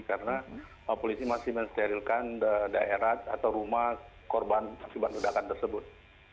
karena polisi masih mensterilkan daerah atau rumah korban sebuah ledakan tersebut